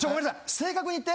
正確に言って。